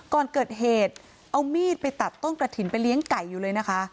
ก่อนเกิดเหตุเอามีดไปตัดต้นกระถิ่นไปเลี้ยงไก่อยู่เลยนะคะ